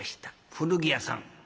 古着屋さん。